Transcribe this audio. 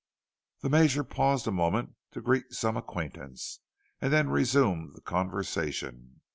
The Major paused a moment to greet some acquaintance, and then resumed the conversation.